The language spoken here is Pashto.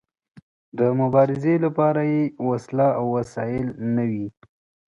د مبارزې لپاره يې وسله او وسايل نه وي.